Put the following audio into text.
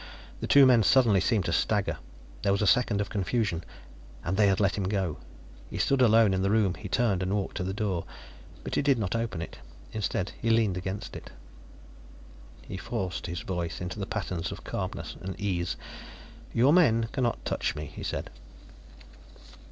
The two men suddenly seemed to stagger; there was a second of confusion and they had let him go. He stood alone in the room. He turned and walked to the door, but he did not open it. Instead, he leaned against it. He forced his voice into the patterns of calmness and ease. "Your men cannot touch me," he said.